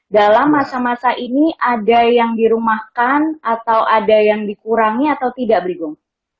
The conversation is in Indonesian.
dalam masa masa ini ada yang dirumahkan atau ada yang dikurangkan